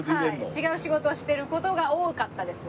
違う仕事をしている事が多かったです。